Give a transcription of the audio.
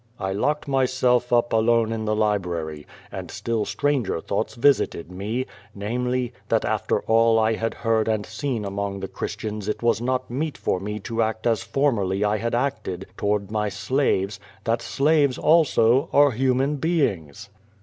I locked myself up alone in the library, and still stranger thoughts visited me, namely, that after all I had heard and seen among the C hristians it was not meet for me to act as formerly I had acted toward my slaves, that slaves, also, are human beings.